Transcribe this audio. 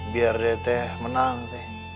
biar dia teh menang